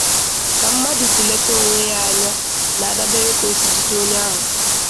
Ka mmadụ si leta onwe ya anya n'adabere ka osi jide onye ahu.